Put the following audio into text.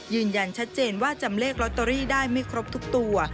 ยืนยันชัดเจนว่าจำเลขลอตเตอรี่ได้ไม่ครบทุกตัว